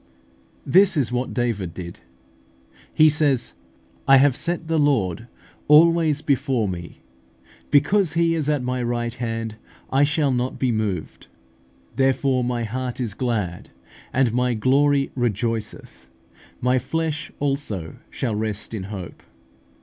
This was what David did: he says, "I have set the Lord always before me; because He is at my right hand, I shall not be moved. Therefore my heart is glad, and my glory rejoiceth; my flesh also shall rest in hope."